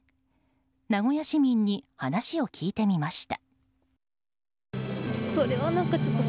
名古屋市民に話を聞いてみました。